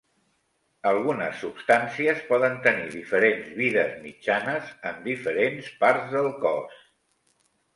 Algunes substàncies poden tenir diferents vides mitjanes en diferents parts del cos.